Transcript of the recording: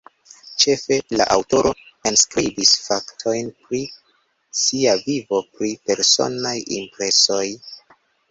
Ĉefe, la aŭtoro enskribis faktojn pri sia vivo, pri personaj impresoj.